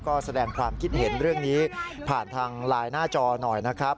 ก็แสดงความคิดเห็นเรื่องนี้ผ่านทางไลน์หน้าจอหน่อยนะครับ